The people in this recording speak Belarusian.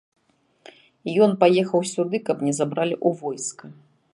Ён паехаў сюды, каб не забралі ў войска.